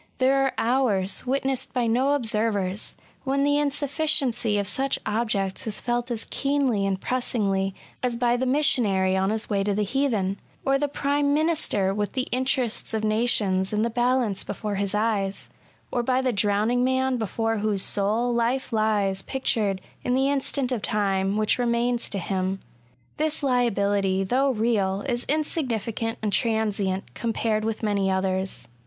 There are hours, witnessed by no observers, when the insufficiency of such objects is felt as keenly and pressingly as by the Missionary on his way to the heathen, or the Prime Minister with the interests of nations in the balance before his eyes — or by 190 ESSAYS. the drowning man before whose soul life lies pictured in the instant of time which remains to him. This liability^ though real^ is insignificant and transient^ compared with many others.